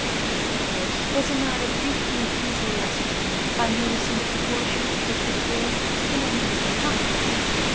This, of course, was a matter briefly and easily ascertained, by noticing the proportion of the pitcher filled in any given time.